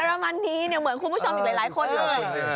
อรมันดีเนี่ยเหมือนคุณผู้ชมอีกหลายคนเลย